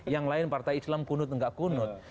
yang lain partai islam kunut nggak kunut